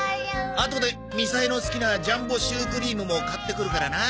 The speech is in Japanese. あとでみさえの好きなジャンボシュークリームも買ってくるからな。